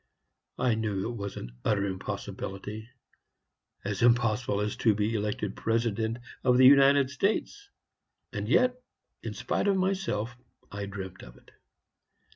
I knew it was an utter impossibility as impossible as to be elected President of the United States; and yet, in spite of myself, I dreamed of it.